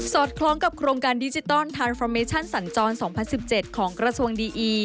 อดคล้องกับโครงการดิจิตอลทานฟอร์เมชั่นสัญจร๒๐๑๗ของกระทรวงดีอี